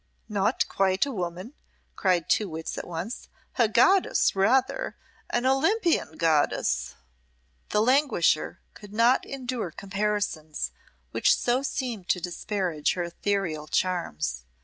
"Not quite a woman," cried two wits at once. "A goddess rather an Olympian goddess." The languisher could not endure comparisons which so seemed to disparage her ethereal charms.